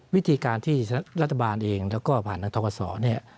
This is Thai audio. วิธีการที่รัฐบาลเองและก็ผ่านทางธรรมศาสตร์เนี่ย